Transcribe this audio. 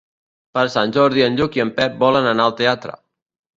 Per Sant Jordi en Lluc i en Pep volen anar al teatre.